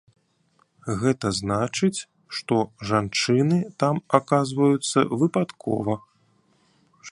Гэта значыць, што жанчыны там аказваюцца выпадкова.